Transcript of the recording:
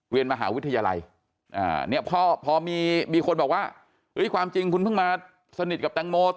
เรียนมหาวิทยาลัยเนี่ยพอมีคนบอกว่าความจริงคุณเพิ่งมาสนิทกับแตงโม